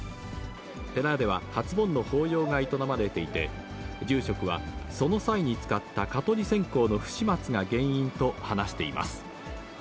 寺では、初盆の法要が営まれていて、住職は、その際に使った蚊取り線香の不始末が原因と話しています。